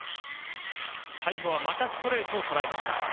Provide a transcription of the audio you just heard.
最後はストレートをとらえました。